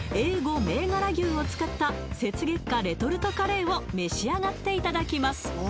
銘柄牛を使った雪月花レトルトカレーを召し上がっていただきます